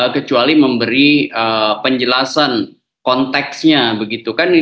kecuali memberi penjelasan konteksnya begitu kan